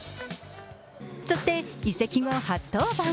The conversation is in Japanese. そして移籍後初登板。